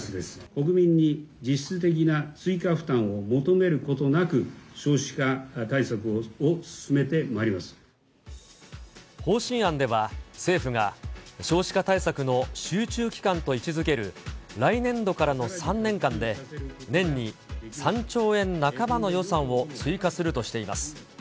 国民に実質的な追加負担を求めることなく、方針案では、政府が、少子化対策の集中期間と位置づける来年度からの３年間で、年に３兆円半ばの予算を追加するとしています。